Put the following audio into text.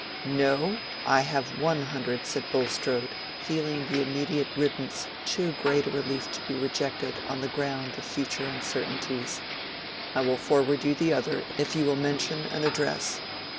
"No, I have one hundred," said Bulstrode, feeling the immediate riddance too great a relief to be rejected on the ground of future uncertainties. "I will forward you the other if you will mention an address."